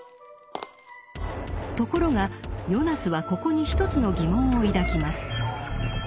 ところがヨナスはここに一つの疑問を抱きます。